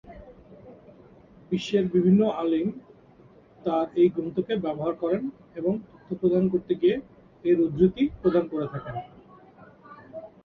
বিশ্বের বিভিন্ন আলিম তার এই গ্রন্থকে ব্যবহার করেন এবং তথ্য প্রদান করতে গিয়ে এর উদ্ধৃতি প্রদান করে থাকেন।